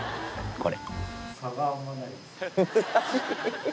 これ。